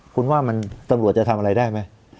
คุณว่ามันตำรวจจะทำอะไรได้ไหม